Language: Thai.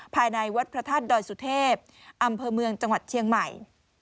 ภายในวัดพระธาตุดอยสุเทพอำเภอเมืองจังหวัดเชียงใหม่